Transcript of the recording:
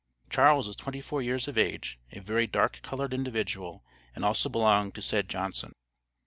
Charles was twenty four years of age, a very dark colored individual, and also belonged to said Johnson.